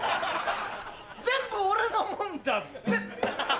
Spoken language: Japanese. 全部俺のもんだぜ！